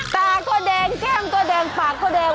ตาก็แดงแก้มก็แดงปากก็แดง